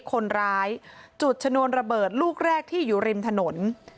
คนร้ายจุดชนวนระเบิดลูกแรกที่อยู่ริมถนน